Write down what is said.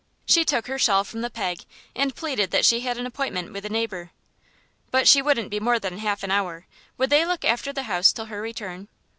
She took her shawl from the peg, and pleaded that she had an appointment with a neighbour. But she wouldn't be more than half an hour; would they look after the house till her return?